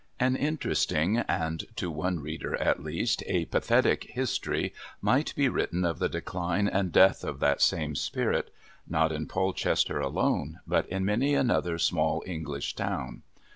An interesting and, to one reader at least, a pathetic history might be written of the decline and death of that same spirit not in Polchester alone, but in many another small English town.